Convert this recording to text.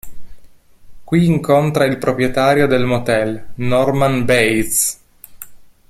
Qui incontra il proprietario del motel, Norman Bates.